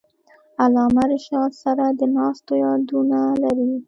علامه رشاد سره د ناستو یادونه لري.